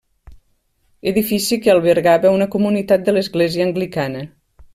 Edifici que albergava una comunitat de l'església anglicana.